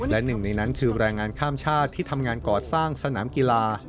และหนึ่งในนั้นคือแรงงานข้ามชาติที่ทำงานก่อสร้างสนามกีฬา